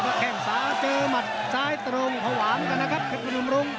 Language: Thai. แล้วแค่งสาเจอมัดซ้ายตรงหวังกันนะครับเผ็ดประดมลุ้ม